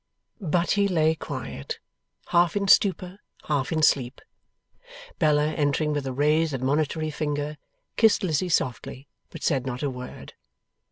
But he lay quiet, half in stupor, half in sleep. Bella, entering with a raised admonitory finger, kissed Lizzie softly, but said not a word.